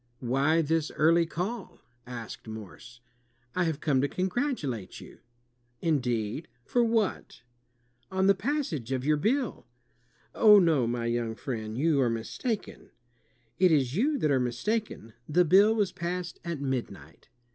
"Why this eariy call?" asked Morse. "I have come to congratulate you." "Indeed, for what?" I "On the passage of your bill," "Oh, no, my young friend, you are mistaken." "It is you that are mistaken. The bill was passed at midnight."